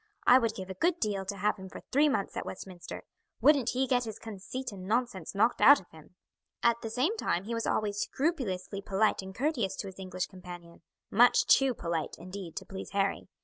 "I would give a good deal to have him for three months at Westminster. Wouldn't he get his conceit and nonsense knocked out of him!" At the same time he was always scrupulously polite and courteous to his English companion much too polite, indeed, to please Harry.